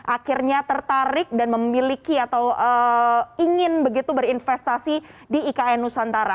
akhirnya tertarik dan memiliki atau ingin begitu berinvestasi di ikn nusantara